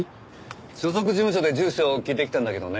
所属事務所で住所を聞いてきたんだけどね